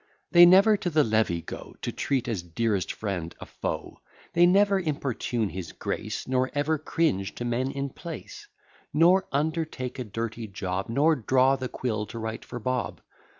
They never to the levee go To treat, as dearest friend, a foe: They never importune his grace, Nor ever cringe to men in place: Nor undertake a dirty job, Nor draw the quill to write for Bob.